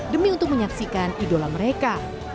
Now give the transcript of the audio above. demi untuk menyaksikan idola mereka